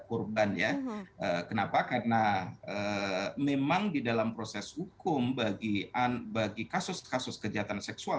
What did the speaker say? korban ya kenapa karena memang di dalam proses hukum bagi kasus kasus kejahatan seksual